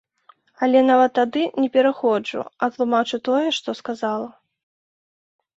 Але нават тады не пераходжу, а тлумачу тое, што сказала.